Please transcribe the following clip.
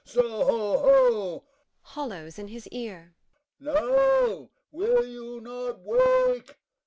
so ho, ho! [Hollows in his ear.] No, will you not wake?